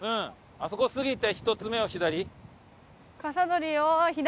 あそこを過ぎて１つ目を左？